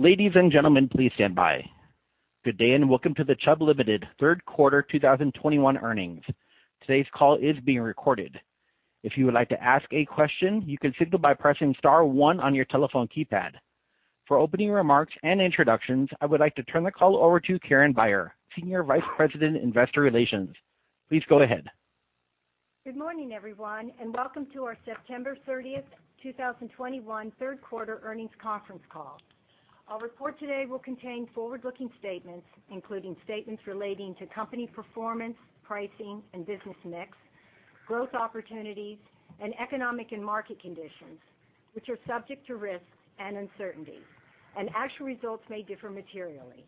Good day, and welcome to the Chubb Limited Third Quarter 2021 earnings. Today's call is being recorded. If you would like to ask a question, you can signal by pressing star one on your telephone keypad. For opening remarks and introductions, I would like to turn the call over to Karen Beyer, Senior Vice President, Investor Relations. Please go ahead. Good morning, everyone, and welcome to our September 30th, 2021 third quarter earnings conference call. Our report today will contain forward-looking statements, including statements relating to company performance, pricing, and business mix, growth opportunities, and economic and market conditions, which are subject to risks and uncertainties. Actual results may differ materially.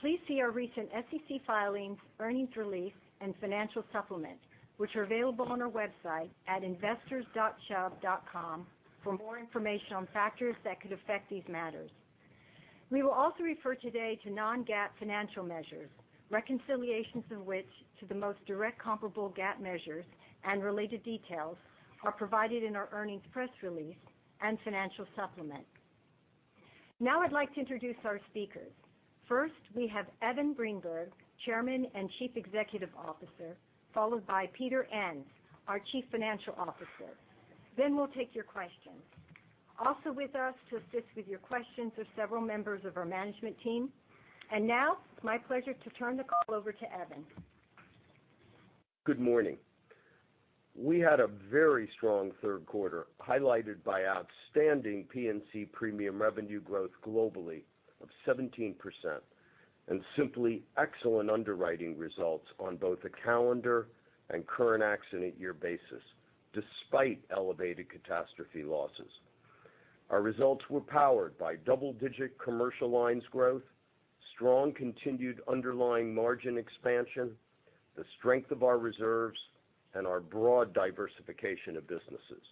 Please see our recent SEC filings, earnings release, and financial supplement, which are available on our website at investors.chubb.com for more information on factors that could affect these matters. We will also refer today to non-GAAP financial measures, reconciliations of which to the most direct comparable GAAP measures and related details are provided in our earnings press release and financial supplement. Now I'd like to introduce our speakers. First, we have Evan Greenberg, Chairman and Chief Executive Officer, followed by Peter Enns, our Chief Financial Officer. Then we'll take your questions. Also with us to assist with your questions are several members of our management team. Now it's my pleasure to turn the call over to Evan. Good morning. We had a very strong third quarter, highlighted by outstanding P&C premium revenue growth globally of 17% and simply excellent underwriting results on both the calendar and current accident year basis, despite elevated catastrophe losses. Our results were powered by double-digit commercial lines growth, strong continued underlying margin expansion, the strength of our reserves, and our broad diversification of businesses.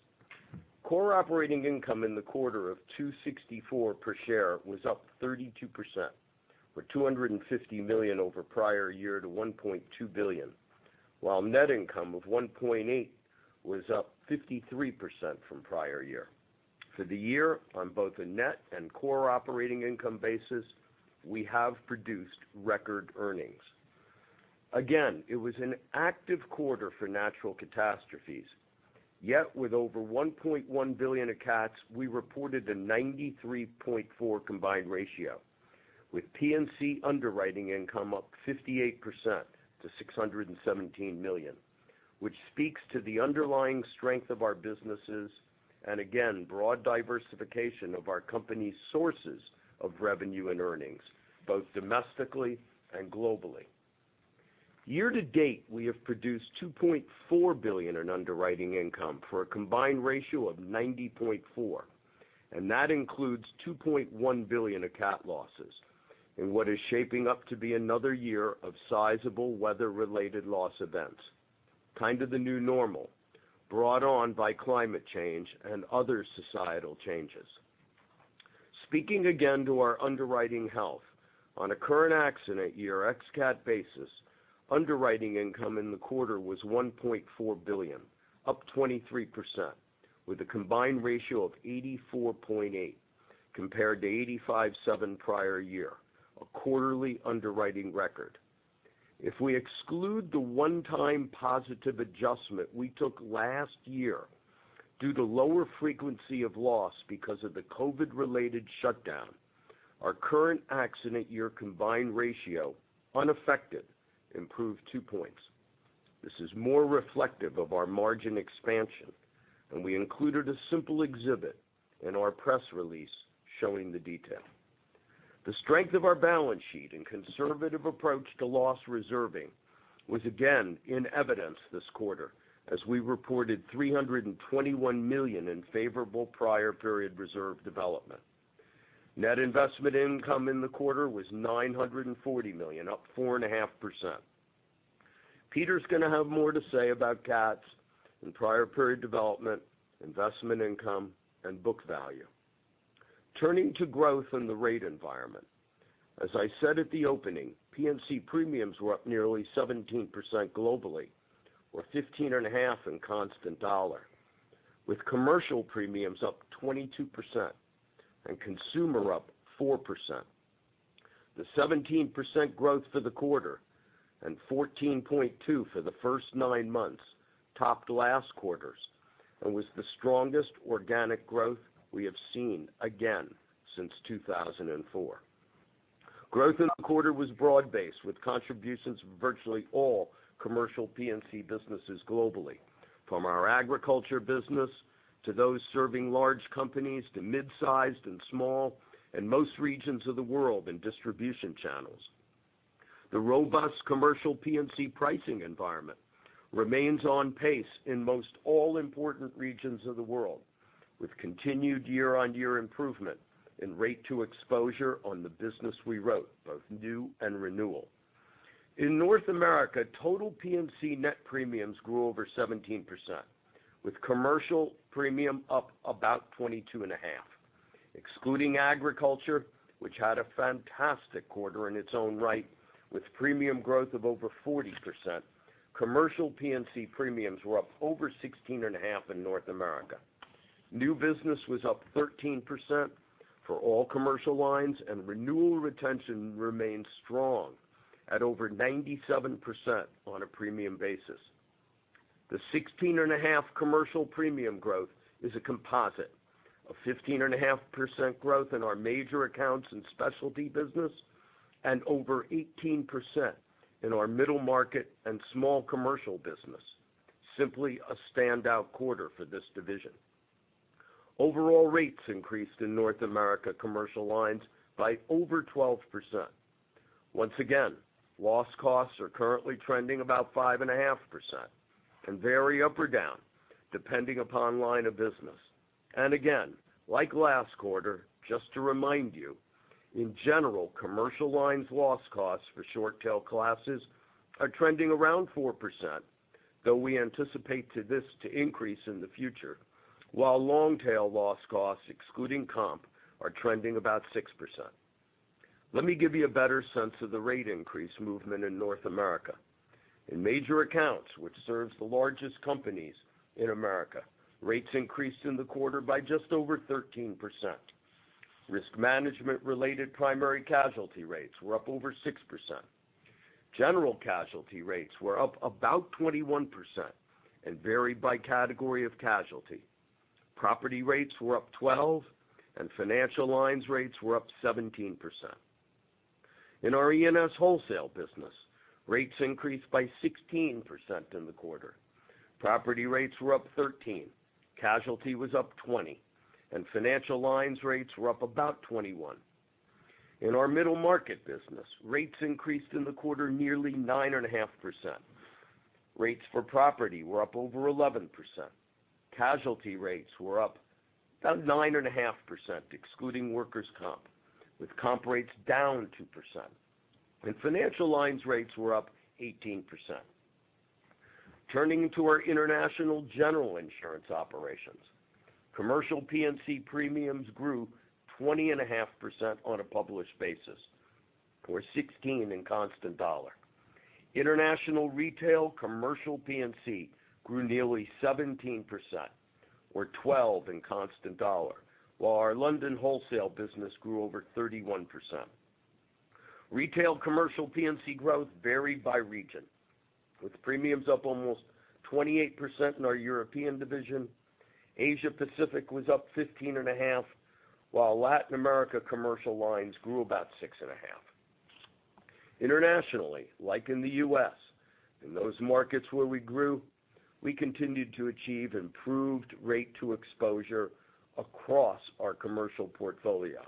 Core operating income in the quarter of $2.64 per share was up 32%, or $250 million over prior year to $1.2 billion, while net income of $1.8 was up 53% from prior year. For the year, on both a net and core operating income basis, we have produced record earnings. Again, it was an active quarter for natural catastrophes. Yet with over $1.1 billion of CATs, we reported a 93.4 combined ratio, with P&C underwriting income up 58%-$617 million, which speaks to the underlying strength of our businesses and again, broad diversification of our company's sources of revenue and earnings, both domestically and globally. Year to date, we have produced $2.4 billion in underwriting income for a combined ratio of 90.4, and that includes $2.1 billion of CAT losses in what is shaping up to be another year of sizable weather-related loss events, kind of the new normal brought on by climate change and other societal changes. Speaking again to our underwriting health on a current accident year ex-cat basis, underwriting income in the quarter was $1.4 billion, up 23%, with a combined ratio of 84.8 compared to 85.7 prior year, a quarterly underwriting record. If we exclude the one-time positive adjustment we took last year due to lower frequency of loss because of the COVID-related shutdown, our current accident year combined ratio unaffected improved two points. This is more reflective of our margin expansion, and we included a simple exhibit in our press release showing the detail. The strength of our balance sheet and conservative approach to loss reserving was again in evidence this quarter as we reported $321 million in favorable prior period reserve development. Net investment income in the quarter was $940 million, up 4.5%. Peter's gonna have more to say about cats and prior period development, investment income, and book value. Turning to growth in the rate environment. As I said at the opening, P&C premiums were up nearly 17% globally, or 15.5 in constant dollar, with commercial premiums up 22% and consumer up 4%. The 17% growth for the quarter and 14.2 for the first nine months topped last quarter's and was the strongest organic growth we have seen again since 2004. Growth in the quarter was broad-based, with contributions from virtually all commercial P&C businesses globally, from our agriculture business to those serving large companies to mid-sized and small in most regions of the world in distribution channels. The robust commercial P&C pricing environment remains on pace in most all important regions of the world, with continued year-on-year improvement in rate to exposure on the business we wrote, both new and renewal. In North America, total P&C net premiums grew over 17%, with commercial premium up about 22.5. Excluding agriculture, which had a fantastic quarter in its own right, with premium growth of over 40%. Commercial P&C premiums were up over 16.5 in North America. New business was up 13% for all commercial lines, and renewal retention remains strong at over 97% on a premium basis. The 16.5 commercial premium growth is a composite of 15.5% growth in our major accounts and specialty business and over 18% in our middle market and small commercial business. Simply a standout quarter for this division. Overall rates increased in North America Commercial Lines by over 12%. Once again, loss costs are currently trending about 5.5% and vary up or down depending upon line of business. Again, like last quarter, just to remind you, in general, commercial lines loss costs for short tail classes are trending around 4%, though we anticipate this to increase in the future, while long tail loss costs, excluding comp, are trending about 6%. Let me give you a better sense of the rate increase movement in North America. In major accounts, which serves the largest companies in America, rates increased in the quarter by just over 13%. Risk management-related primary casualty rates were up over 6%. General casualty rates were up about 21% and varied by category of casualty. Property rates were up 12%, and financial lines rates were up 17%. In our E&S wholesale business, rates increased by 16% in the quarter. Property rates were up 13%, casualty was up 20%, and financial lines rates were up about 21%. In our middle market business, rates increased in the quarter nearly 9.5%. Rates for property were up over 11%. Casualty rates were up about 9.5%, excluding workers' comp, with comp rates down 2%. Financial lines rates were up 18%. Turning to our international general insurance operations. Commercial P&C premiums grew 20.5% on a published basis, or 16% in constant dollar. International retail commercial P&C grew nearly 17%, or 12% in constant dollar, while our London wholesale business grew over 31%. Retail commercial P&C growth varied by region, with premiums up almost 28% in our European division. Asia Pacific was up 15.5%, while Latin America commercial lines grew about 6.5%. Internationally, like in the U.S., in those markets where we grew, we continued to achieve improved rate to exposure across our commercial portfolio.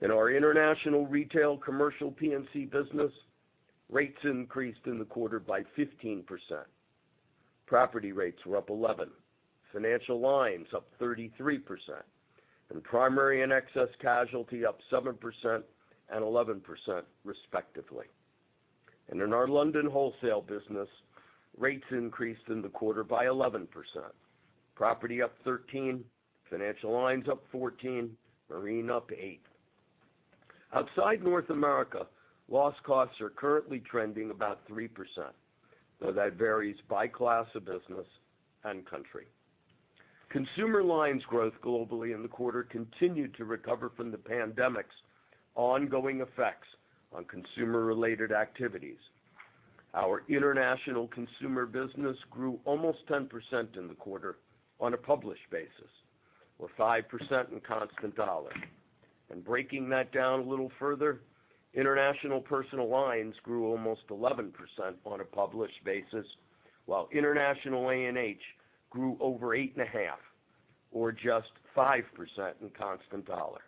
In our international retail commercial P&C business, rates increased in the quarter by 15%. Property rates were up 11%, financial lines up 33%, and primary and excess casualty up 7% and 11%, respectively. In our London wholesale business, rates increased in the quarter by 11%. Property up 13%, financial lines up 14%, marine up 8%. Outside North America, loss costs are currently trending about 3%, though that varies by class of business and country. Consumer lines growth globally in the quarter continued to recover from the pandemic's ongoing effects on consumer-related activities. Our international consumer business grew almost 10% in the quarter on a published basis, or 5% in constant dollar. Breaking that down a little further, international personal lines grew almost 11% on a published basis, while international A&H grew over 8.5%, or just 5% in constant dollar.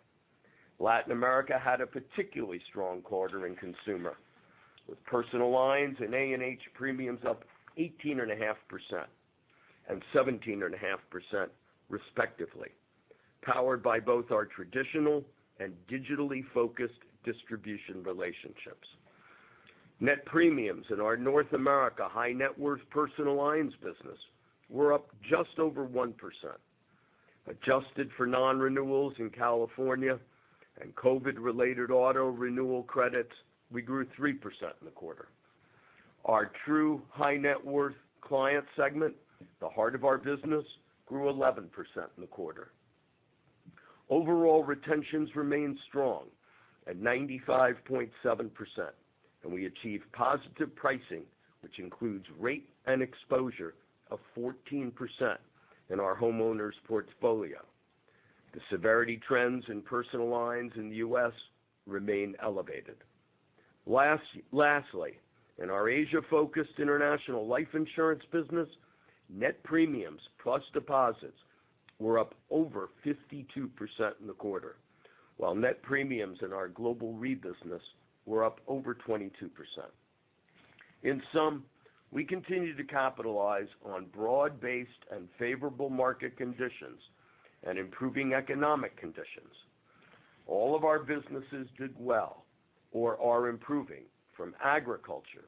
Latin America had a particularly strong quarter in consumer, with personal lines and A&H premiums up 18.5% and 17.5%, respectively, powered by both our traditional and digitally focused distribution relationships. Net premiums in our North America high-net-worth personal lines business were up just over 1%. Adjusted for non-renewals in California and COVID-related auto renewal credits, we grew 3% in the quarter. Our true high-net-worth client segment, the heart of our business, grew 11% in the quarter. Overall retentions remained strong at 95.7%, and we achieved positive pricing, which includes rate and exposure of 14% in our homeowners portfolio. The severity trends in personal lines in the U.S. remain elevated. Lastly, in our Asia-focused international life insurance business, net premiums plus deposits were up over 52% in the quarter, while net premiums in our global re business were up over 22%. In sum, we continue to capitalize on broad-based and favorable market conditions and improving economic conditions. All of our businesses did well or are improving from agriculture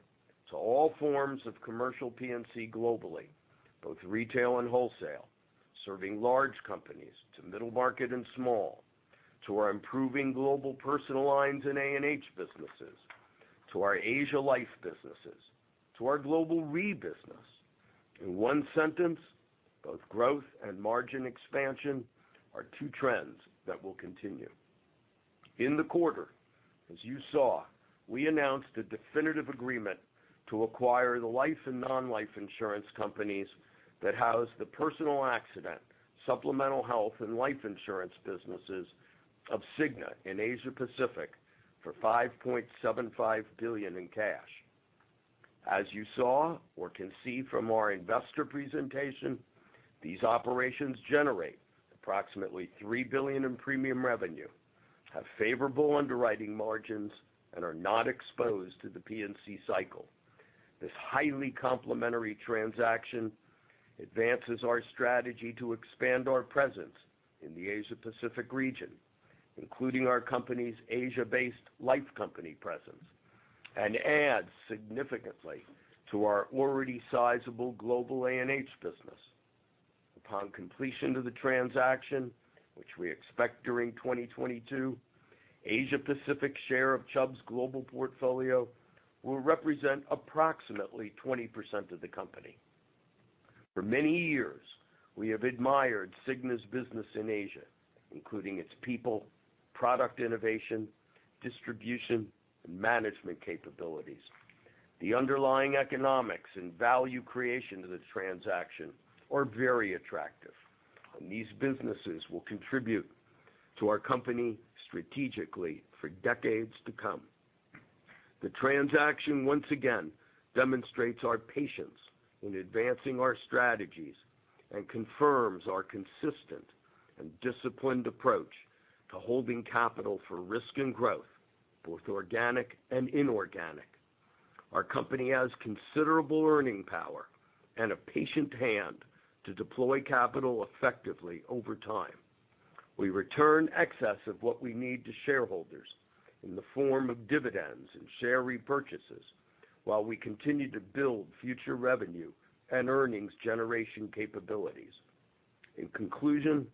to all forms of commercial P&C globally, both retail and wholesale, serving large companies to middle market and small to our improving global personal lines in A&H businesses, to our Asia life businesses, to our global re-business. In one sentence, both growth and margin expansion are two trends that will continue. In the quarter, as you saw, we announced a definitive agreement to acquire the life and non-life insurance companies that house the personal accident, supplemental health, and life insurance businesses of Cigna in Asia-Pacific for $5.75 billion in cash. As you saw or can see from our investor presentation, these operations generate approximately $3 billion in premium revenue, have favorable underwriting margins, and are not exposed to the P&C cycle. This highly complementary transaction advances our strategy to expand our presence in the Asia-Pacific region, including our company's Asia-based life company presence, and adds significantly to our already sizable global A&H business. Upon completion of the transaction, which we expect during 2022, Asia-Pacific's share of Chubb's global portfolio will represent approximately 20% of the company. For many years, we have admired Cigna's business in Asia, including its people, product innovation, distribution, and management capabilities. The underlying economics and value creation of this transaction are very attractive, and these businesses will contribute to our company strategically for decades to come. The transaction once again demonstrates our patience in advancing our strategies and confirms our consistent and disciplined approach to holding capital for risk and growth, both organic and inorganic. Our company has considerable earning power and a patient hand to deploy capital effectively over time. We return excess of what we need to shareholders in the form of dividends and share repurchases while we continue to build future revenue and earnings generation capabilities. In conclusion,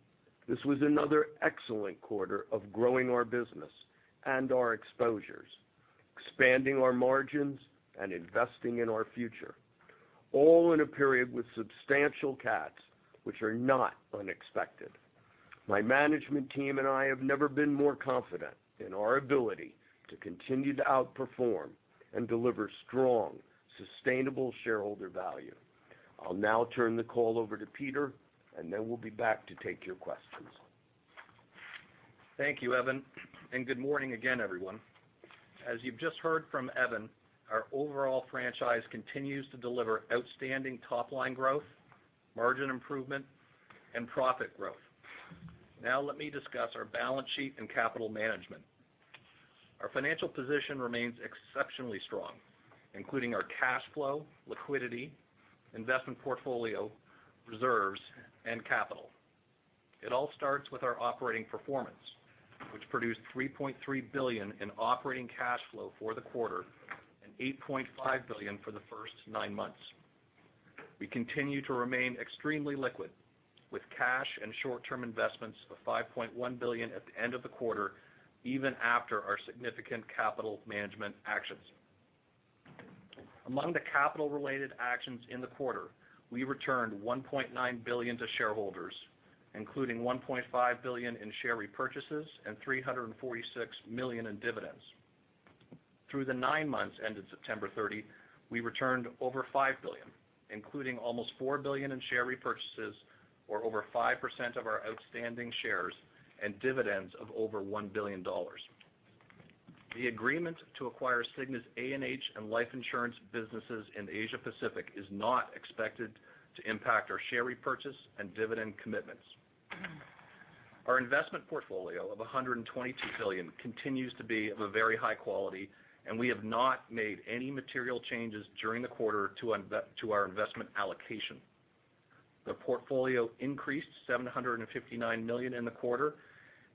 this was another excellent quarter of growing our business and our exposures, expanding our margins, and investing in our future, all in a period with substantial cats, which are not unexpected. My management team and I have never been more confident in our ability to continue to outperform and deliver strong, sustainable shareholder value. I'll now turn the call over to Peter, and then we'll be back to take your questions. Thank you, Evan, and good morning again, everyone. As you've just heard from Evan, our overall franchise continues to deliver outstanding top-line growth, margin improvement, and profit growth. Now let me discuss our balance sheet and capital management. Our financial position remains exceptionally strong, including our cash flow, liquidity, investment portfolio, reserves, and capital. It all starts with our operating performance, which produced $3.3 billion in operating cash flow for the quarter and $8.5 billion for the first nine months. We continue to remain extremely liquid, with cash and short-term investments of $5.1 billion at the end of the quarter, even after our significant capital management actions. Among the capital-related actions in the quarter, we returned $1.9 billion to shareholders, including $1.5 billion in share repurchases and $346 million in dividends. Through the nine months ended September 30, we returned over $5 billion, including almost $4 billion in share repurchases, or over 5% of our outstanding shares, and dividends of over $1 billion. The agreement to acquire Cigna's A&H and life insurance businesses in Asia Pacific is not expected to impact our share repurchase and dividend commitments. Our investment portfolio of $122 billion continues to be of a very high quality, and we have not made any material changes during the quarter to our investment allocation. The portfolio increased $759 million in the quarter,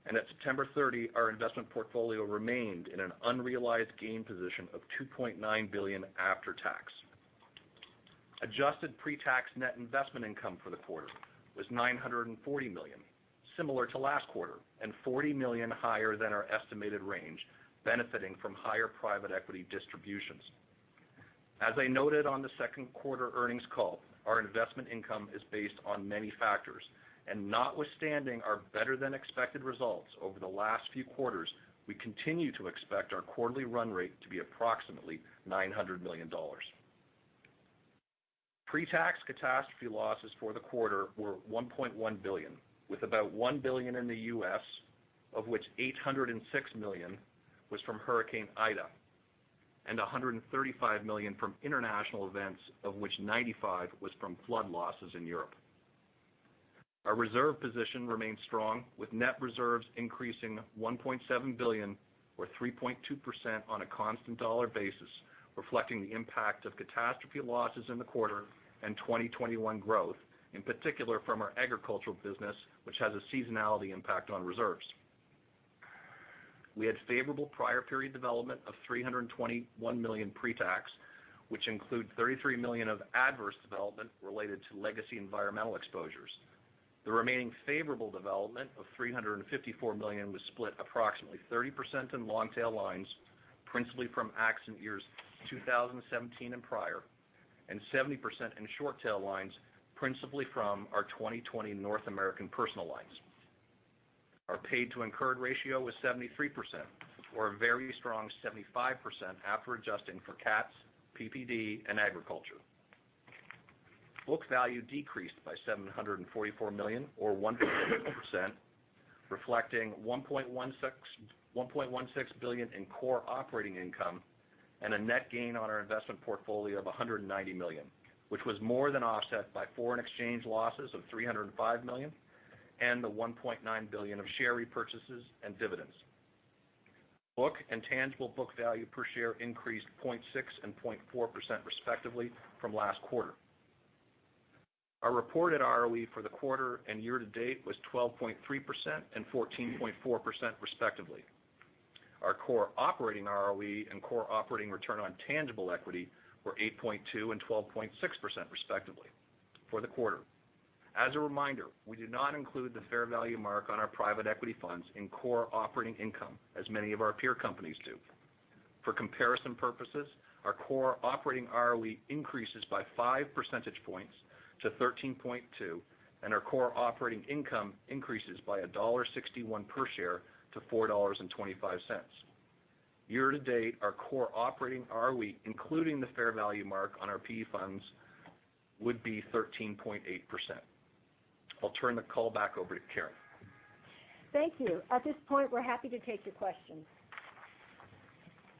and at September 30, our investment portfolio remained in an unrealized gain position of $2.9 billion after tax. Adjusted pre-tax net investment income for the quarter was $940 million, similar to last quarter, and $40 million higher than our estimated range, benefiting from higher private equity distributions. As I noted on the second quarter earnings call, our investment income is based on many factors, and notwithstanding our better-than-expected results over the last few quarters, we continue to expect our quarterly run rate to be approximately $900 million. Pre-tax catastrophe losses for the quarter were $1.1 billion, with about $1 billion in the U.S., of which $806 million was from Hurricane Ida, and $135 million from international events, of which $95 million was from flood losses in Europe. Our reserve position remains strong, with net reserves increasing $1.7 billion or 3.2% on a constant dollar basis, reflecting the impact of catastrophe losses in the quarter and 2021 growth, in particular from our agricultural business, which has a seasonality impact on reserves. We had favorable prior period development of $321 million pre-tax, which include $33 million of adverse development related to legacy environmental exposures. The remaining favorable development of $354 million was split approximately 30% in long tail lines, principally from accident years 2017 and prior, and 70% in short tail lines, principally from our 2020 North American personal lines. Our paid to incurred ratio was 73%, or a very strong 75% after adjusting for CATs, PPD and agriculture. Book value decreased by $744 million or 1%, reflecting $1.16 billion in core operating income and a net gain on our investment portfolio of $190 million, which was more than offset by foreign exchange losses of $305 million and the $1.9 billion of share repurchases and dividends. Book and tangible book value per share increased 0.6% and 0.4% respectively from last quarter. Our reported ROE for the quarter and year to date was 12.3% and 14.4% respectively. Our core operating ROE and core operating return on tangible equity were 8.2% and 12.6% respectively for the quarter. As a reminder, we did not include the fair value mark on our private equity funds in core operating income as many of our peer companies do. For comparison purposes, our core operating ROE increases by 5 percentage points to 13.2%, and our core operating income increases by $1.61 per share to $4.25. Year to date, our core operating ROE, including the fair value mark on our PE funds, would be 13.8%. I'll turn the call back over to Karen. Thank you. At this point, we're happy to take your questions.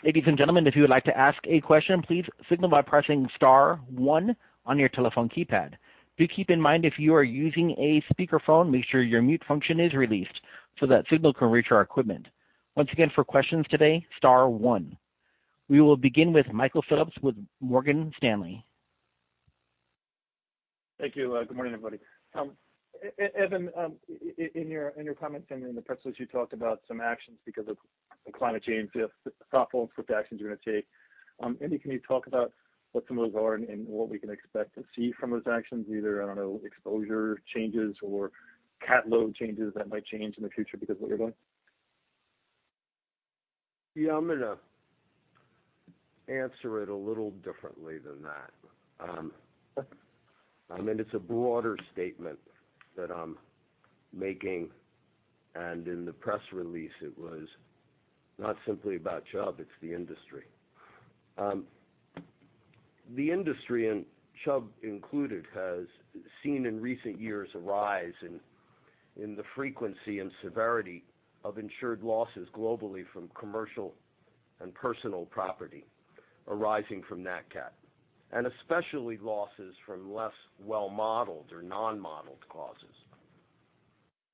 Ladies and gentlemen, if you would like to ask a question, please signal by pressing star one on your telephone keypad. Do keep in mind if you are using a speakerphone, make sure your mute function is released so that signal can reach our equipment. Once again for questions today, star one. We will begin with Michael Phillips with Morgan Stanley. Thank you. Good morning, everybody. Evan, in your comments and in the press release, you talked about some actions because of climate change, the thoughtful and swift actions you're going to take. Maybe can you talk about what some of those are and what we can expect to see from those actions? Either, I don't know, exposure changes or CAT load changes that might change in the future because of what you're doing. Yeah, I'm gonna answer it a little differently than that. I mean, it's a broader statement that I'm making, and in the press release, it was not simply about Chubb, it's the industry. The industry and Chubb included has seen in recent years a rise in the frequency and severity of insured losses globally from commercial and personal property arising from nat cat, and especially losses from less well modeled or non-modeled causes.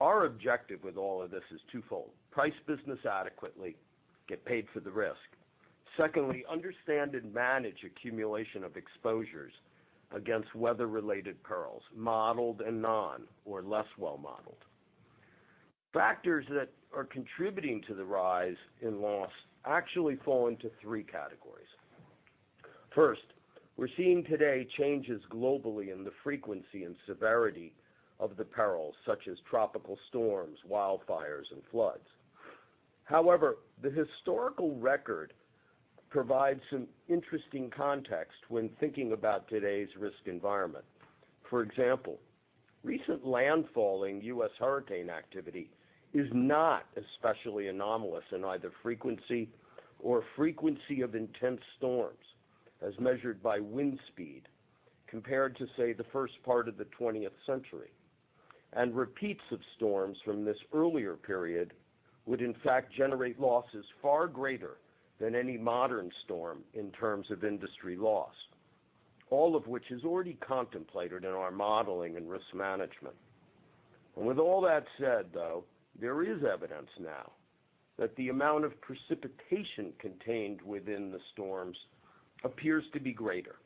Our objective with all of this is twofold. Price business adequately, get paid for the risk. Secondly, understand and manage accumulation of exposures against weather-related perils, modeled and non or less well modeled. Factors that are contributing to the rise in loss actually fall into three categories. First, we're seeing today changes globally in the frequency and severity of the perils such as tropical storms, wildfires, and floods. However, the historical record provides some interesting context when thinking about today's risk environment. For example, recent landfalling U.S. hurricane activity is not especially anomalous in either frequency or frequency of intense storms as measured by wind speed compared to, say, the first part of the twentieth century. Repeats of storms from this earlier period would in fact generate losses far greater than any modern storm in terms of industry loss. All of which is already contemplated in our modeling and risk management. With all that said, though, there is evidence now that the amount of precipitation contained within the storms appears to be greater,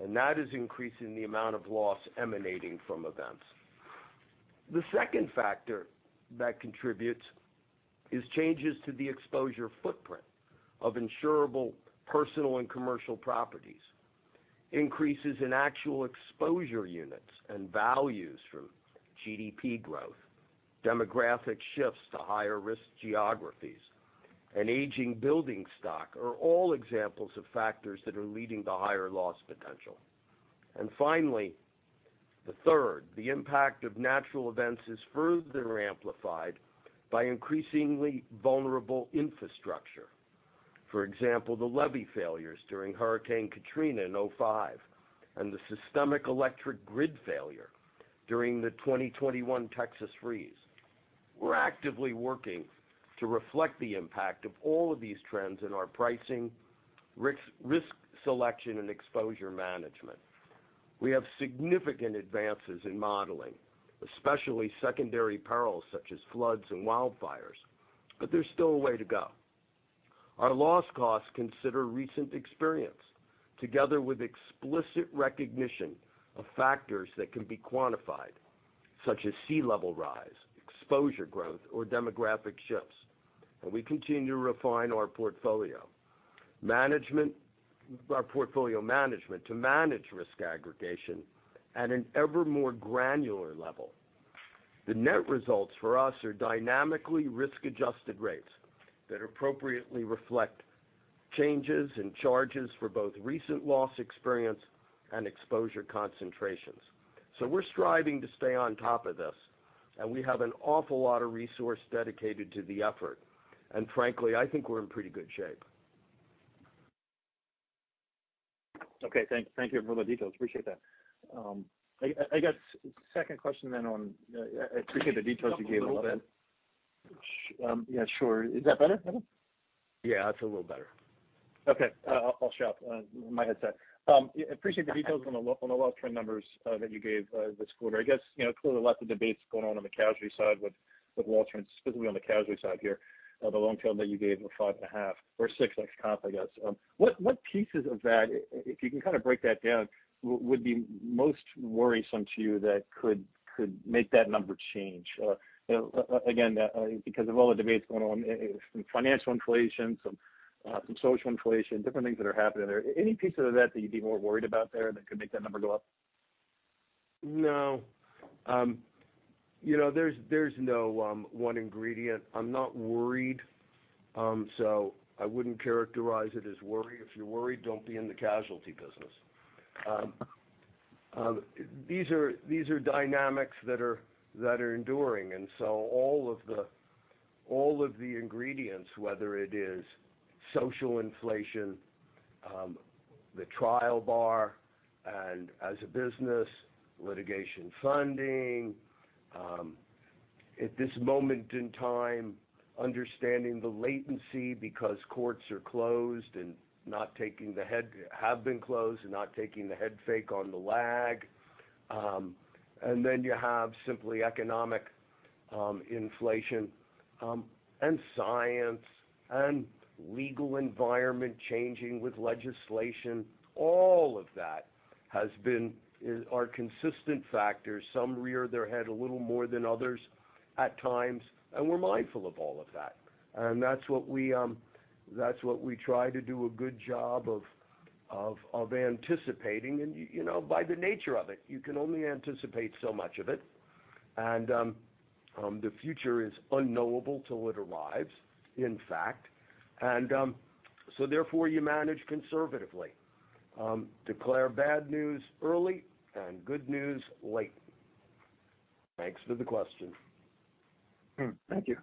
and that is increasing the amount of loss emanating from events. The second factor that contributes is changes to the exposure footprint of insurable personal and commercial properties. Increases in actual exposure units and values from GDP growth, demographic shifts to higher risk geographies, and aging building stock are all examples of factors that are leading to higher loss potential. Finally, the third, the impact of natural events is further amplified by increasingly vulnerable infrastructure. For example, the levee failures during Hurricane Katrina in 2005 and the systemic electric grid failure during the 2021 Texas freeze. We're actively working to reflect the impact of all of these trends in our pricing, risk selection and exposure management. We have significant advances in modeling, especially secondary perils such as floods and wildfires, but there's still a way to go. Our loss costs consider recent experience, together with explicit recognition of factors that can be quantified, such as sea level rise, exposure growth, or demographic shifts. We continue to refine our portfolio. Management, our portfolio management to manage risk aggregation at an ever more granular level. The net results for us are dynamically risk-adjusted rates that appropriately reflect changes in charges for both recent loss experience and exposure concentrations. We're striving to stay on top of this, and we have an awful lot of resource dedicated to the effort. Frankly, I think we're in pretty good shape. Okay. Thank you for all the details. Appreciate that. I got second question then on. I appreciate the details you gave a little bit. Yeah, sure. Is that better, Evan? Yeah, it's a little better. Okay. I'll shut off my headset. Yeah, appreciate the details on the Waltern numbers that you gave this quarter. I guess, you know, clearly lots of debates going on on the casualty side with Waltern, specifically on the casualty side here, the long tail that you gave of 5.5 or 6 ex comp, I guess. What pieces of that, if you can kind of break that down, would be most worrisome to you that could make that number change? Or, again, because of all the debates going on, some financial inflation, some social inflation, different things that are happening there. Any piece of that that you'd be more worried about there that could make that number go up? No. You know, there's no one ingredient. I'm not worried, so I wouldn't characterize it as worry. If you're worried, don't be in the casualty business. These are dynamics that are enduring. All of the ingredients, whether it is social inflation, the trial bar, and as a business, litigation funding at this moment in time, understanding the latency because courts have been closed and not taking the head fake on the lag. You have simply economic inflation, and science and legal environment changing with legislation. All of that has been are consistent factors. Some rear their head a little more than others at times, and we're mindful of all of that. That's what we try to do a good job of anticipating. You know, by the nature of it, you can only anticipate so much of it. The future is unknowable till it arrives, in fact. So therefore, you manage conservatively. Declare bad news early and good news late. Thanks for the question. Thank you.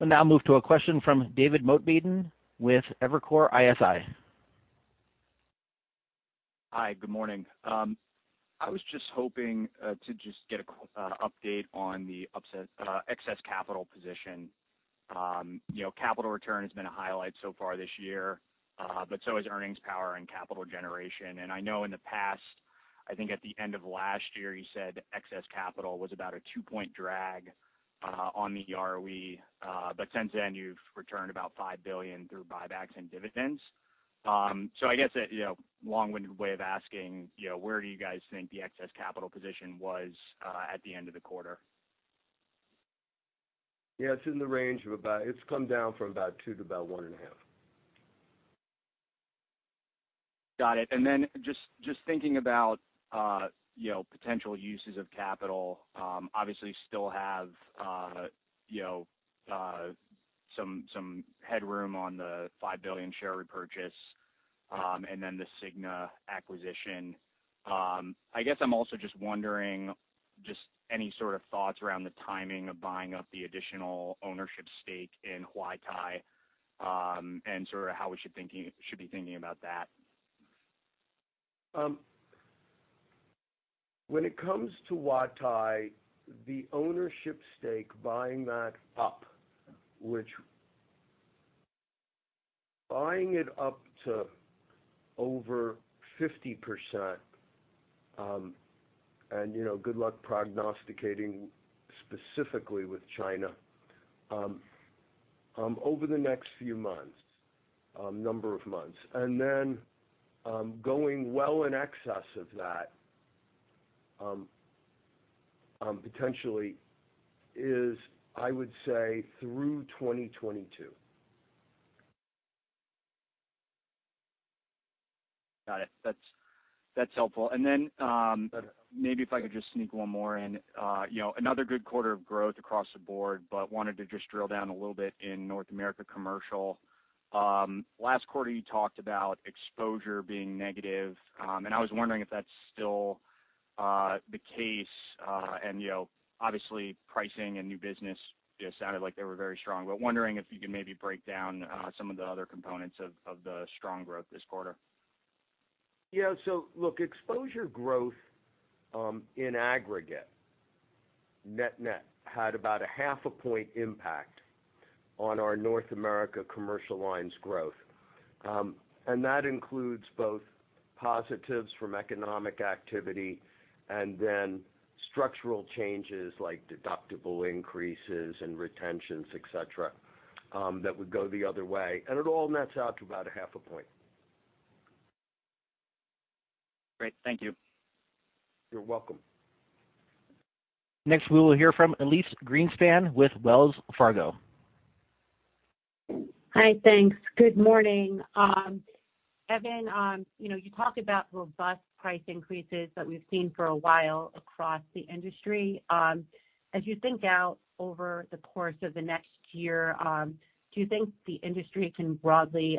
We'll now move to a question from David Motemaden with Evercore ISI. Hi, good morning. I was just hoping to just get an update on the excess capital position. You know, capital return has been a highlight so far this year, but so is earnings power and capital generation. I know in the past, I think at the end of last year, you said excess capital was about a two-point drag on the ROE. But since then, you've returned about $5 billion through buybacks and dividends. I guess a long-winded way of asking, you know, where do you guys think the excess capital position was at the end of the quarter? Yeah, it's come down from about two to about 1.5. Just thinking about potential uses of capital, obviously you still have, you know, some headroom on the $5 billion share repurchase, and then the Cigna acquisition. I guess I'm also just wondering any sort of thoughts around the timing of buying up the additional ownership stake in Huatai, and sort of how we should be thinking about that. When it comes to Huatai, the ownership stake, buying that up, buying it up to over 50%, and, you know, good luck prognosticating specifically with China, over the next few months, and then going well in excess of that potentially is, I would say, through 2022. Got it. That's helpful. Maybe if I could just sneak one more in. You know, another good quarter of growth across the board, but wanted to just drill down a little bit in North America Commercial. Last quarter, you talked about exposure being negative, and I was wondering if that's still the case. You know, obviously pricing and new business, you know, sounded like they were very strong. Wondering if you could maybe break down some of the other components of the strong growth this quarter. Yeah. Look, exposure growth, in aggregate, net-net, had about a half a point impact on our North America commercial lines growth. That includes both positives from economic activity and then structural changes like deductible increases and retentions, et cetera, that would go the other way, and it all nets out to about a half a point. Great. Thank you. You're welcome. Next, we will hear from Elyse Greenspan with Wells Fargo. Hi. Thanks. Good morning. Evan, you know, you talked about robust price increases that we've seen for a while across the industry. As you think out over the course of the next year, do you think the industry can broadly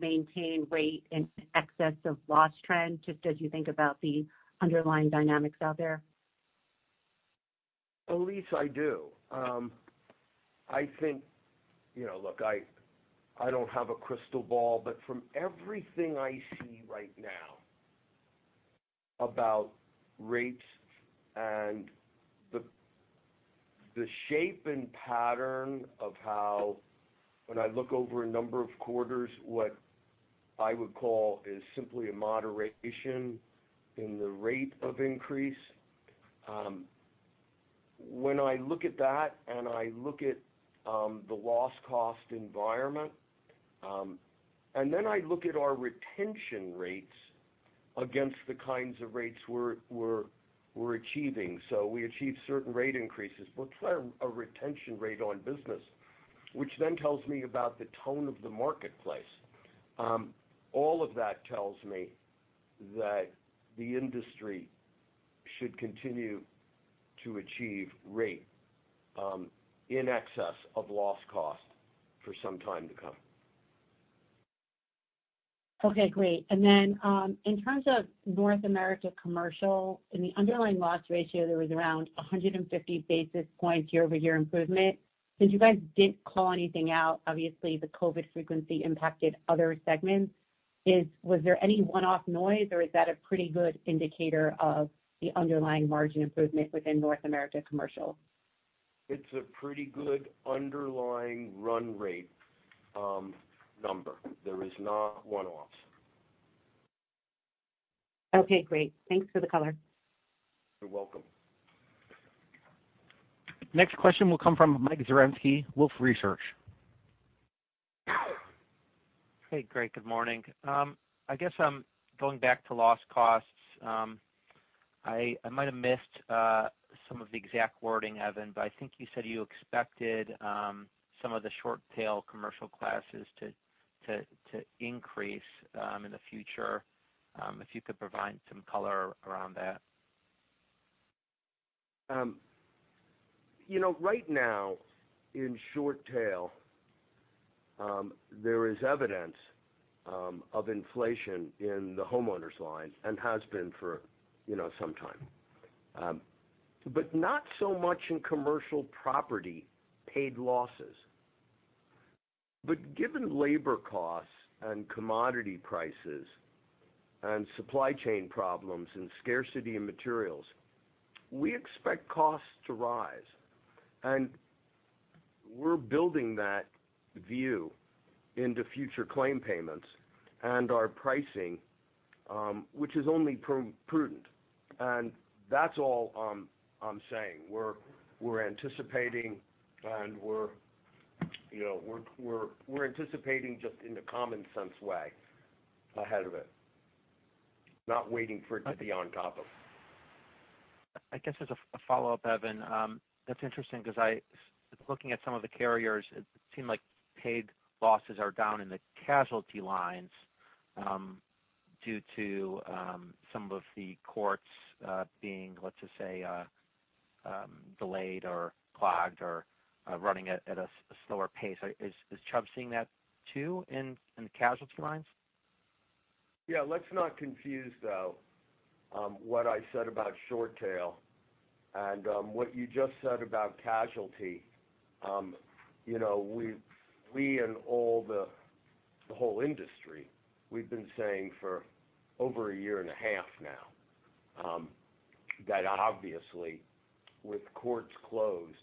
maintain rate in excess of loss trend just as you think about the underlying dynamics out there? Elyse, I do. I think, you know, look, I don't have a crystal ball, but from everything I see right now about rates and the shape and pattern of how when I look over a number of quarters, what I would call is simply a moderation in the rate of increase. When I look at that and I look at the loss cost environment, and then I look at our retention rates against the kinds of rates we're achieving. We achieve certain rate increases, but what's our retention rate on business, which then tells me about the tone of the marketplace. All of that tells me that the industry should continue to achieve rate in excess of loss cost for some time to come. Okay, great. In terms of North America commercial, in the underlying loss ratio, there was around 150 basis points year-over-year improvement. Since you guys didn't call anything out, obviously, the COVID frequency impacted other segments. Was there any one-off noise or is that a pretty good indicator of the underlying margin improvement within North America commercial? It's a pretty good underlying run rate, number. There is not one-offs. Okay, great. Thanks for the color. You're welcome. Next question will come from Mike Zaremski, Wolfe Research. Hey, great. Good morning. I guess I'm going back to loss costs. I might have missed some of the exact wording, Evan, but I think you said you expected some of the short tail commercial classes to increase in the future. If you could provide some color around that. You know, right now, in short tail, there is evidence of inflation in the homeowners line and has been for, you know, some time. Not so much in commercial property paid losses. Given labor costs and commodity prices and supply chain problems and scarcity in materials, we expect costs to rise. We're building that view into future claim payments and our pricing, which is only prudent. That's all I'm saying. We're anticipating just in the common sense way ahead of it, not waiting for it to be on top of. I guess as a follow-up, Evan, that's interesting 'cause looking at some of the carriers, it seemed like paid losses are down in the casualty lines, due to some of the courts being, let's just say, delayed or clogged or running at a slower pace. Is Chubb seeing that too in the casualty lines? Yeah. Let's not confuse, though, what I said about short tail and what you just said about casualty. You know, we and all the whole industry, we've been saying for over a year and a half now that obviously with courts closed,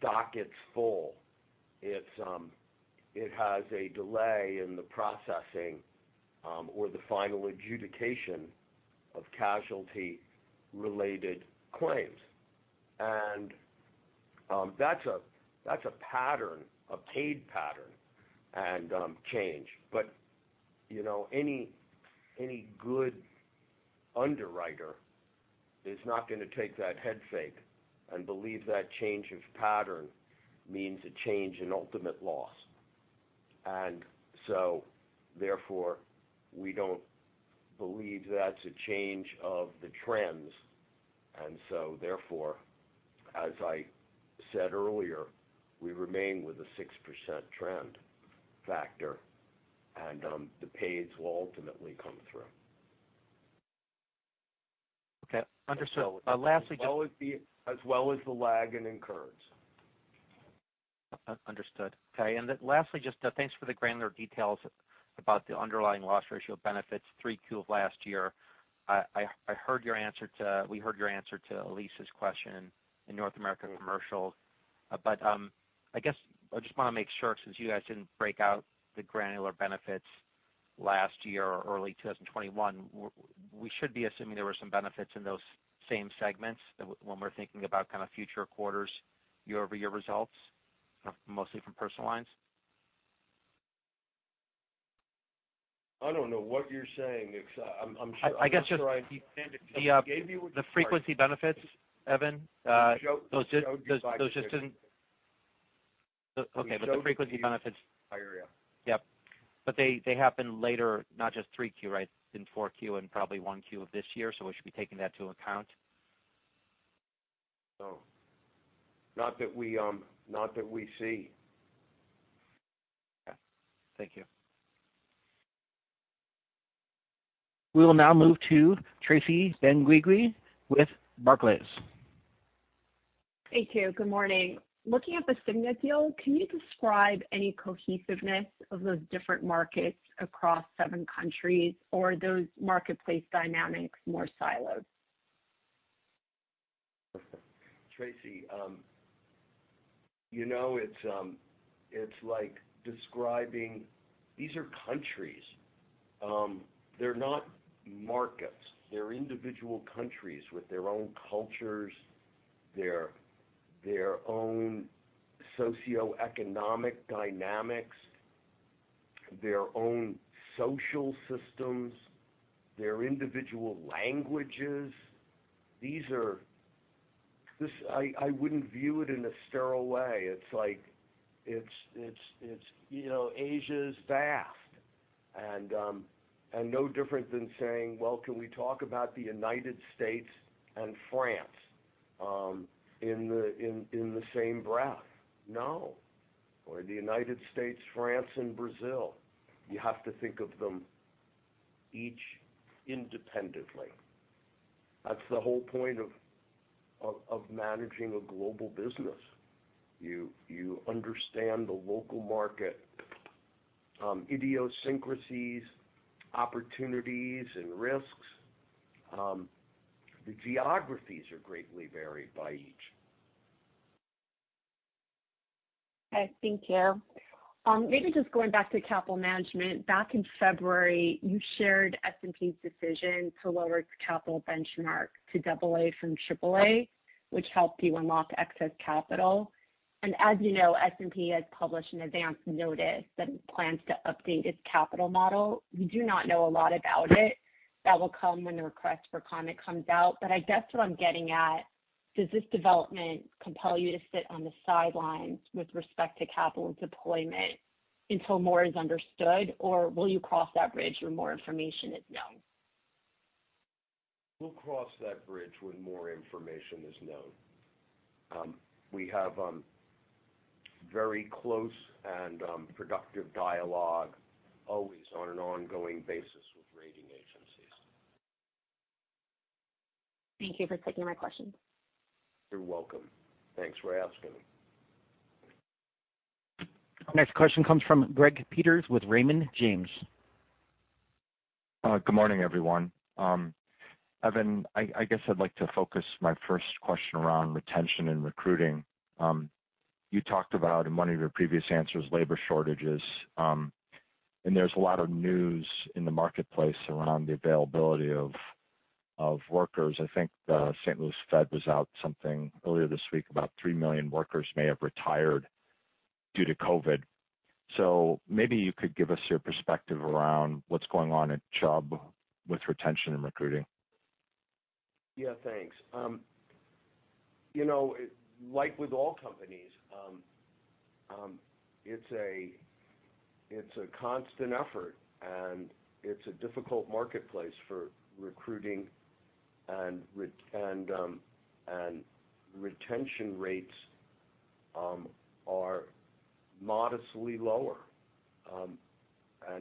dockets full, it has a delay in the processing or the final adjudication of casualty-related claims. That's a pattern, a paid pattern and change. But you know, any good underwriter is not gonna take that head fake and believe that change of pattern means a change in ultimate loss. Therefore, we don't believe that's a change of the trends. Therefore, as I said earlier, we remain with a 6% trend factor, and the pays will ultimately come through. Okay. Understood. Lastly, just- As well as the lag in incurreds. Understood. Okay. Lastly, just thanks for the granular details about the underlying loss ratio benefits 3Q of last year. We heard your answer to Elyse's question in North America Commercial. I guess I just want to make sure, since you guys didn't break out the granular benefits last year or early 2021, we should be assuming there were some benefits in those same segments when we're thinking about kind of future quarters, year-over-year results, mostly from personal lines. I don't know what you're saying. I'm sure. I guess just the frequency benefits, Evan, those just didn't. Showed you- Okay. The frequency benefits. Yep. They happen later, not just 3Q, right? In 4Q and probably 1Q of this year. We should be taking that into account. No, not that we see. Okay. Thank you. We will now move to Tracy Benguigui with Barclays. Thank you. Good morning. Looking at the Cigna deal, can you describe any cohesiveness of those different markets across seven countries or those marketplace dynamics more siloed? Tracy, you know, it's like describing. These are countries, they're not markets. They're individual countries with their own cultures, their own socioeconomic dynamics, their own social systems, their individual languages. I wouldn't view it in a sterile way. It's like, you know, Asia's vast and no different than saying, "Well, can we talk about the United States and France in the same breath?" No. Or the United States, France and Brazil. You have to think of them each independently. That's the whole point of managing a global business. You understand the local market idiosyncrasies, opportunities and risks. The geographies are greatly varied by each. Okay, thank you. Maybe just going back to capital management. Back in February, you shared S&P's decision to lower its capital benchmark to double A from triple A, which helped you unlock excess capital. As you know, S&P has published an advance notice that it plans to update its capital model. We do not know a lot about it. That will come when the request for comment comes out. I guess what I'm getting at, does this development compel you to sit on the sidelines with respect to capital deployment until more is understood? Or will you cross that bridge when more information is known? We'll cross that bridge when more information is known. We have very close and productive dialogue always on an ongoing basis with rating agencies. Thank you for taking my question. You're welcome. Thanks for asking. Next question comes from Greg Peters with Raymond James. Good morning, everyone. Evan, I guess I'd like to focus my first question around retention and recruiting. You talked about in one of your previous answers, labor shortages, and there's a lot of news in the marketplace around the availability of workers. I think the St. Louis Fed was out something earlier this week. About 3 million workers may have retired due to COVID. Maybe you could give us your perspective around what's going on at Chubb with retention and recruiting. Yeah, thanks. You know, like with all companies, it's a constant effort, and it's a difficult marketplace for recruiting and retention rates are modestly lower.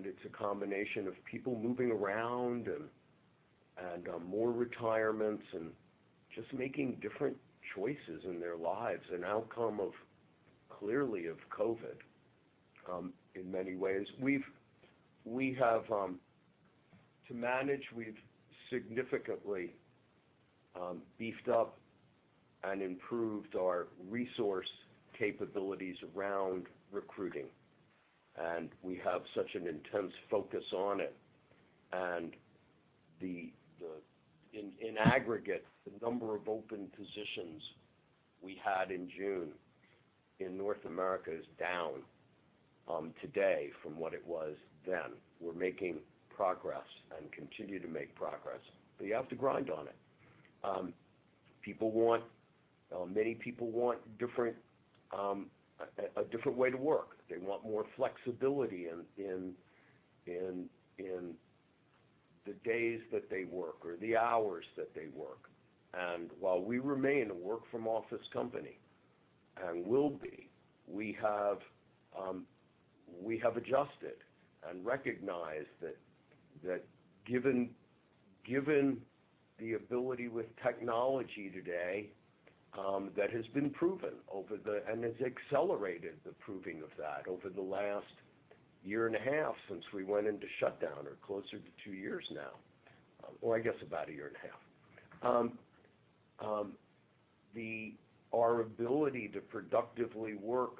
It's a combination of people moving around and more retirements and just making different choices in their lives, an outcome of clearly of COVID in many ways. We have to manage, we've significantly beefed up and improved our resource capabilities around recruiting, and we have such an intense focus on it. In aggregate, the number of open positions we had in June in North America is down today from what it was then. We're making progress and continue to make progress, but you have to grind on it. People want a different way to work. They want more flexibility in the days that they work or the hours that they work. While we remain a work-from-office company and will be, we have adjusted and recognized that, given the ability with technology today, that has been proven over and has accelerated the proving of that over the last year and a half since we went into shutdown or closer to two years now, or I guess about a year and a half. Our ability to productively work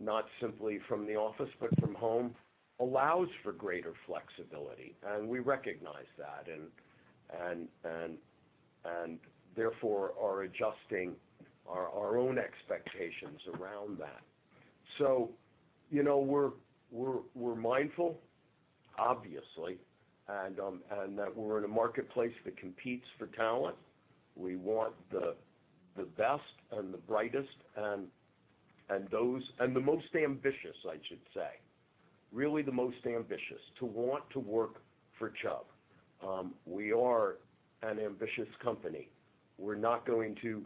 not simply from the office, but from home, allows for greater flexibility, and we recognize that, and therefore are adjusting our own expectations around that. You know, we're mindful, obviously, that we're in a marketplace that competes for talent. We want the best and the brightest and the most ambitious, I should say. Really the most ambitious to want to work for Chubb. We are an ambitious company. We're not going to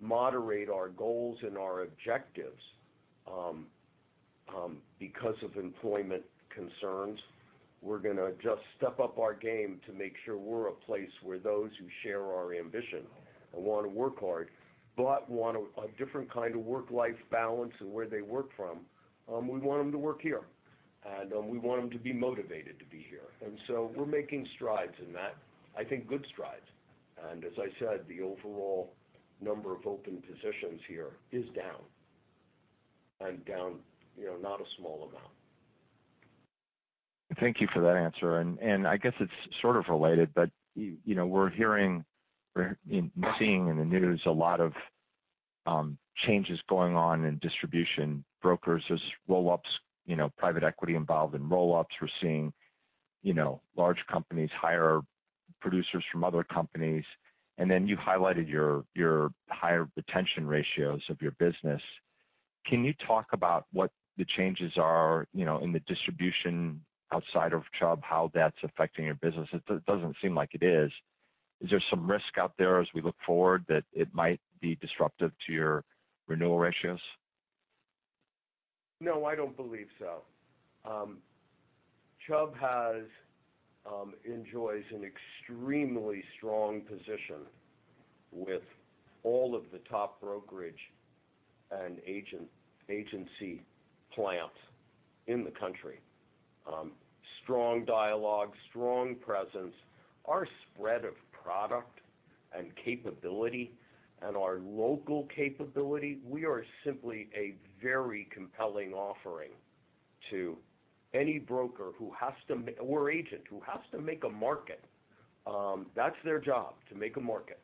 moderate our goals and our objectives because of employment concerns. We're gonna just step up our game to make sure we're a place where those who share our ambition and wanna work hard, but want a different kind of work-life balance in where they work from, we want them to work here. We want them to be motivated to be here. We're making strides in that, I think good strides. As I said, the overall number of open positions here is down. Down, you know, not a small amount. Thank you for that answer. I guess it's sort of related, but you know, we're hearing, we're seeing in the news a lot of changes going on in distribution brokers as roll-ups, you know, private equity involved in roll-ups. We're seeing, you know, large companies hire producers from other companies. Then you highlighted your higher retention ratios of your business. Can you talk about what the changes are, you know, in the distribution outside of Chubb, how that's affecting your business? It doesn't seem like it is. Is there some risk out there as we look forward that it might be disruptive to your renewal ratios? No, I don't believe so. Chubb enjoys an extremely strong position with all of the top brokerage and agent, agency plants in the country, strong dialogue, strong presence. Our spread of product and capability and our local capability, we are simply a very compelling offering to any broker who has to or agent who has to make a market. That's their job, to make a market.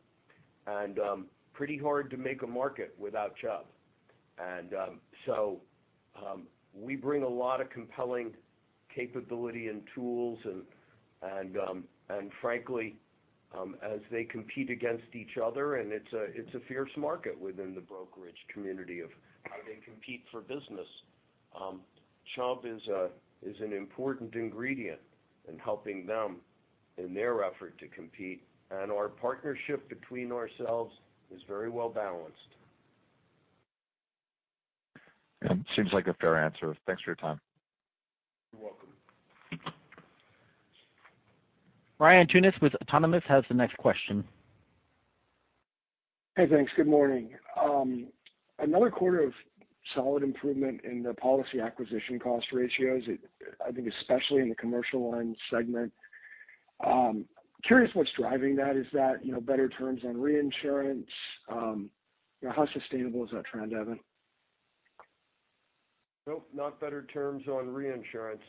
We bring a lot of compelling capability and tools. As they compete against each other, and it's a fierce market within the brokerage community of how they compete for business, Chubb is an important ingredient in helping them in their effort to compete. Our partnership between ourselves is very well balanced. Seems like a fair answer. Thanks for your time. You're welcome. Ryan Tunis with Autonomous has the next question. Hey, thanks. Good morning. Another quarter of solid improvement in the policy acquisition cost ratios, I think especially in the commercial line segment. Curious what's driving that. Is that, you know, better terms on reinsurance? You know, how sustainable is that trend, Evan? Nope, not better terms on reinsurance.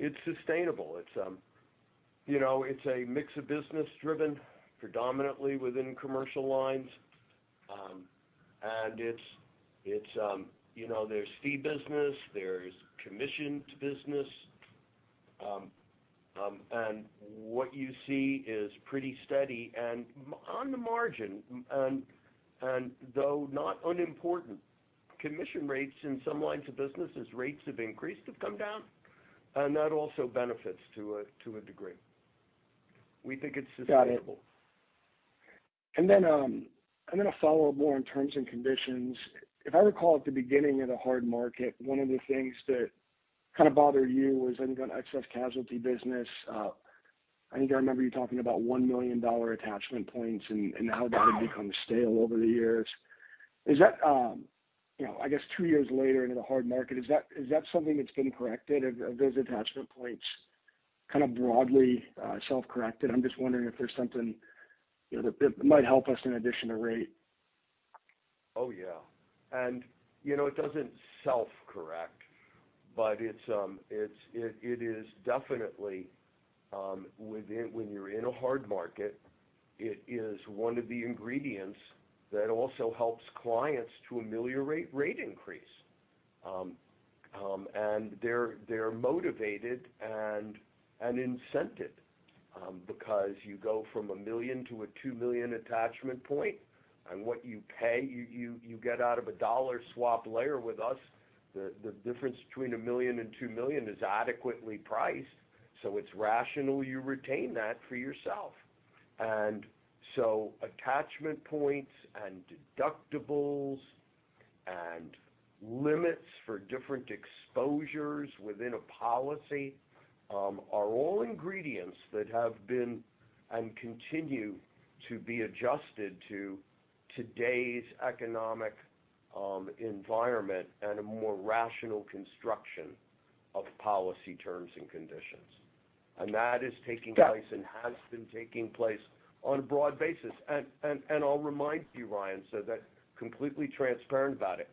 It's sustainable. It's, you know, it's a mix of business driven predominantly within commercial lines. It's, you know, there's fee business, there's commissioned business. What you see is pretty steady. On the margin, though not unimportant, commission rates in some lines of business, rates have increased, have come down, and that also benefits to a degree. We think it's sustainable. Got it. I'm gonna follow up more on terms and conditions. If I recall at the beginning of the hard market, one of the things that kind of bothered you was I think on excess casualty business, I think I remember you talking about $1 million attachment points and how that had become stale over the years. Is that, you know, I guess two years later into the hard market, is that something that's been corrected of those attachment points, kind of broadly, self-corrected? I'm just wondering if there's something, you know, that might help us in addition to rate. Oh, yeah. You know, it doesn't self-correct, but it's, it is definitely, when you're in a hard market, it is one of the ingredients that also helps clients to ameliorate rate increase. They're motivated and incented, because you go from $1 million-$2 million attachment point, and what you pay, you get out of a dollar swap layer with us, the difference between $1 million and $2 million is adequately priced. It's rational you retain that for yourself. Attachment points and deductibles and limits for different exposures within a policy are all ingredients that have been and continue to be adjusted to today's economic environment and a more rational construction of policy terms and conditions. That is taking place. Got it. Has been taking place on a broad basis. I'll remind you, Ryan, so that we're completely transparent about it.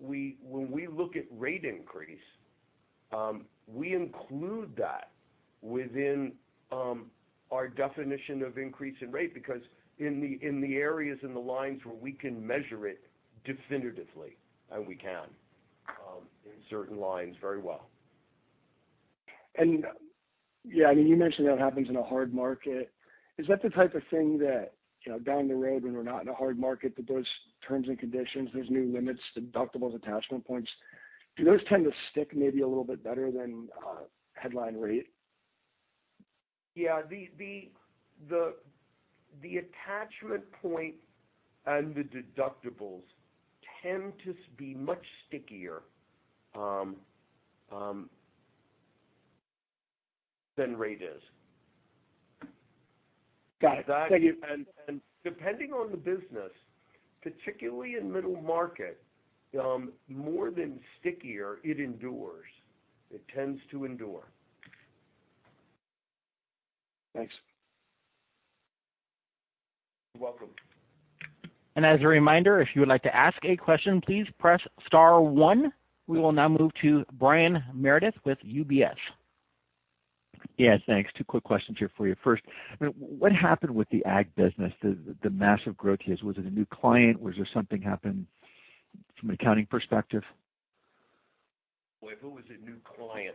When we look at rate increase, we include that within our definition of increase in rate because in the areas in the lines where we can measure it definitively, and we can in certain lines very well. Yeah, I mean, you mentioned that happens in a hard market. Is that the type of thing that, you know, down the road when we're not in a hard market, that those terms and conditions, there's new limits to deductibles, attachment points, do those tend to stick maybe a little bit better than headline rate? Yeah. The attachment point and the deductibles tend to be much stickier than rate is. Got it. Thank you. Depending on the business, particularly in middle market, more than stickier, it endures. It tends to endure. Thanks. You're welcome. As a reminder, if you would like to ask a question, please press star one. We will now move to Brian Meredith with UBS. Yes, thanks. Two quick questions here for you. First, what happened with the ag business, the massive growth here? Was it a new client? Was there something happened from an accounting perspective? If it was a new client,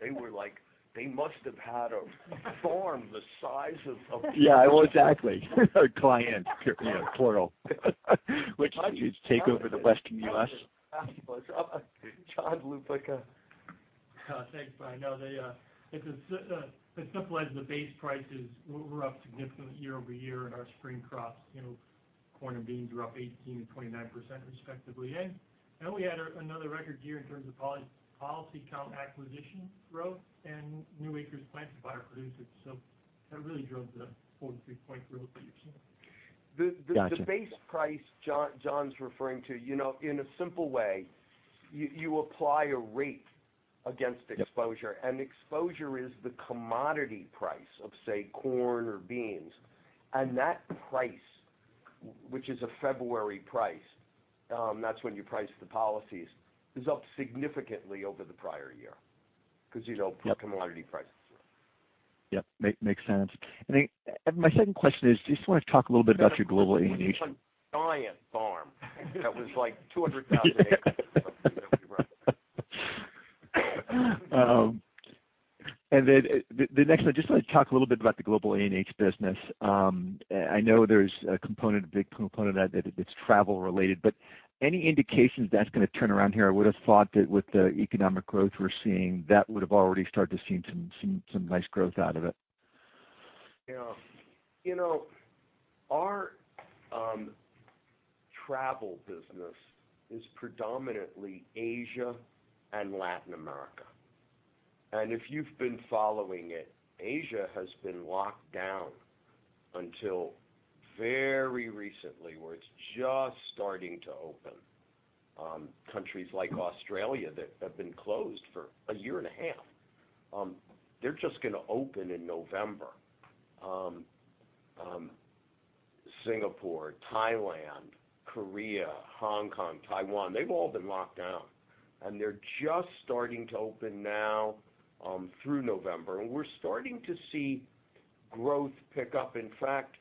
they were like, they must have had a farm the size of. Yeah, well, exactly. A client, you know, plural. Which take over the Western U.S. John Lupica. Thanks, Brian. To simplify, the base prices were up significantly year-over-year in our spring crops. You know, corn and beans were up 18%-29% respectively. We had another record year in terms of policy count acquisition growth and new acres planted by our producers. That really drove the 43-point growth that you're seeing. Gotcha. The base price John's referring to, you know, in a simple way, you apply a rate against exposure, and exposure is the commodity price of, say, corn or beans. That price, which is a February price, that's when you price the policies, is up significantly over the prior year because, you know- Yep. Commodity prices. Yep, makes sense. Evan, my second question is, just wanna talk a little bit about your global A&H. Giant farm that was like 200,000 acres. The next one, just wanna talk a little bit about the global A&H business. I know there's a component, a big component of that that's travel related, but any indications that's gonna turn around here? I would've thought that with the economic growth we're seeing, that would've already started to see some nice growth out of it. Yeah. You know, our travel business is predominantly Asia and Latin America. If you've been following it, Asia has been locked down until very recently, where it's just starting to open. Countries like Australia that have been closed for a year and a half, they're just gonna open in November. Singapore, Thailand, Korea, Hong Kong, Taiwan, they've all been locked down, and they're just starting to open now, through November, and we're starting to see growth pick up. In fact,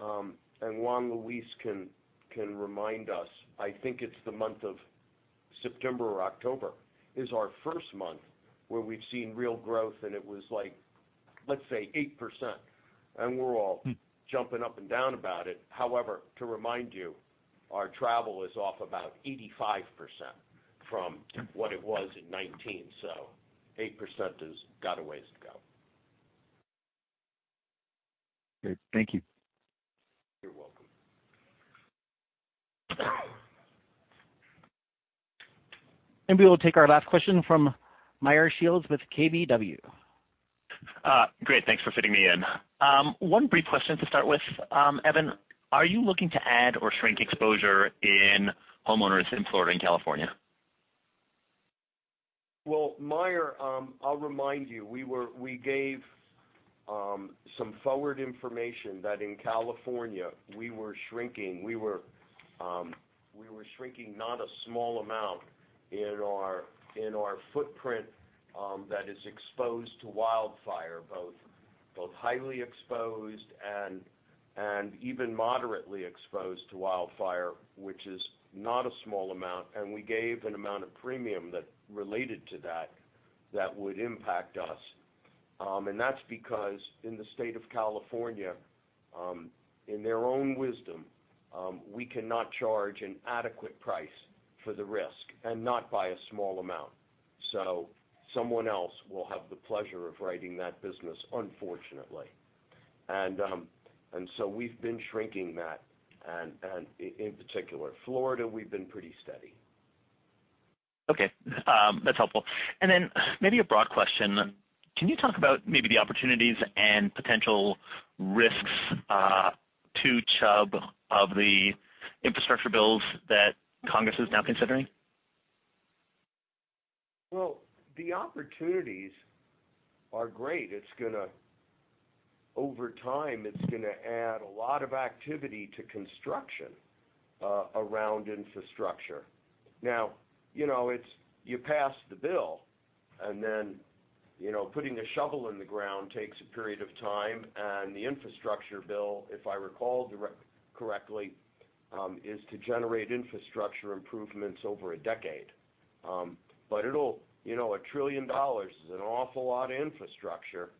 Juan Luis can remind us, I think it's the month of September or October is our first month where we've seen real growth, and it was like, let's say, 8%, and we're all jumping up and down about it. However, to remind you, our travel is off about 85% from what it was in 2019, so 8% has got a ways to go. Great. Thank you. You're welcome. We will take our last question from Meyer Shields with KBW. Great. Thanks for fitting me in. One brief question to start with. Evan, are you looking to add or shrink exposure in homeowners in Florida and California? Well, Meyer, I'll remind you, we gave some forward information that in California, we were shrinking. We were shrinking not a small amount in our footprint that is exposed to wildfire, both highly exposed and even moderately exposed to wildfire, which is not a small amount. We gave an amount of premium that related to that that would impact us. That's because in the state of California, in their own wisdom, we cannot charge an adequate price for the risk, and not by a small amount. Someone else will have the pleasure of writing that business, unfortunately. We've been shrinking that and in particular, Florida, we've been pretty steady. Okay. That's helpful. Maybe a broad question. Can you talk about the opportunities and potential risks to Chubb of the infrastructure bills that Congress is now considering? Well, the opportunities are great. Over time, it's gonna add a lot of activity to construction around infrastructure. Now, you know, it's you pass the bill, and then, you know, putting a shovel in the ground takes a period of time. The infrastructure bill, if I recall correctly, is to generate infrastructure improvements over a decade. It'll, you know, $1 trillion is an awful lot of infrastructure.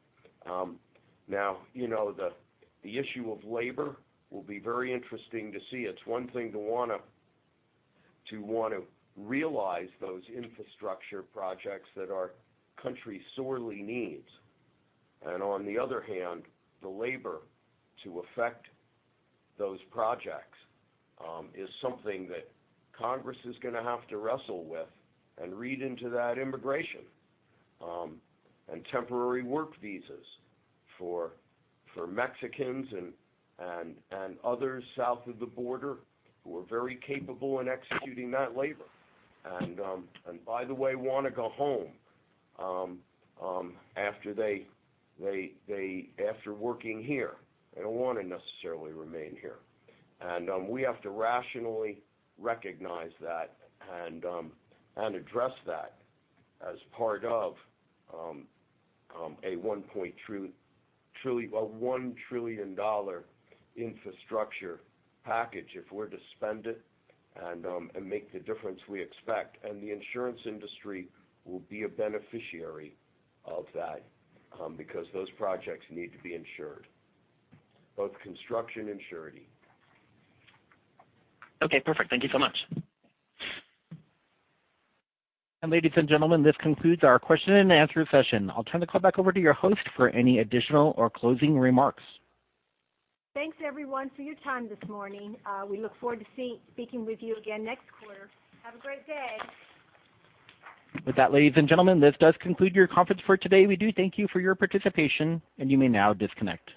Now, you know, the issue of labor will be very interesting to see. It's one thing to want to realize those infrastructure projects that our country sorely needs. On the other hand, the labor to affect those projects is something that Congress is gonna have to wrestle with and read into that immigration and temporary work visas for Mexicans and others south of the border who are very capable in executing that labor. By the way, they wanna go home after working here. They don't wanna necessarily remain here. We have to rationally recognize that and address that as part of a $1 trillion infrastructure package if we're to spend it and make the difference we expect. The insurance industry will be a beneficiary of that, because those projects need to be insured, both construction and surety. Okay, perfect. Thank you so much. Ladies and gentlemen, this concludes our question and answer session. I'll turn the call back over to your host for any additional or closing remarks. Thanks, everyone, for your time this morning. We look forward to speaking with you again next quarter. Have a great day. With that, ladies and gentlemen, this does conclude your conference for today. We do thank you for your participation, and you may now disconnect.